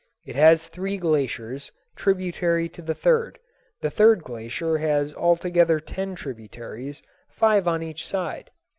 It has three glaciers, tributary to the third. The third glacier has altogether ten tributaries, five on each side.